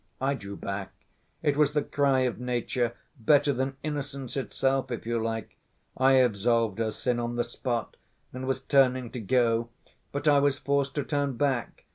I drew back. It was the cry of nature, better than innocence itself, if you like. I absolved her sin on the spot and was turning to go, but I was forced to turn back.